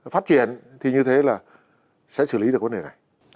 phát triển thì như thế là sẽ xử lý được vấn đề này